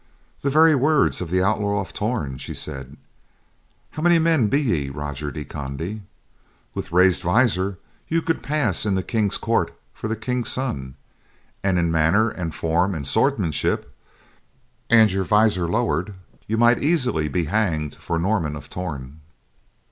"The very words of the Outlaw of Torn," she said. "How many men be ye, Roger de Conde? With raised visor, you could pass in the King's court for the King's son; and in manner, and form, and swordsmanship, and your visor lowered, you might easily be hanged for Norman of Torn."